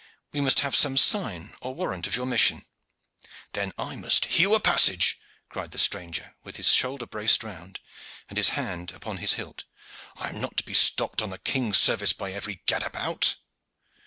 We must have some sign or warrant of your mission." "Then must I hew a passage," cried the stranger, with his shoulder braced round and his hand upon his hilt. "I am not to be stopped on the king's service by every gadabout."